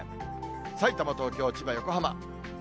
さいたま、東京、千葉、横浜。